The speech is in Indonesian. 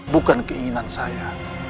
bukan keinginan saya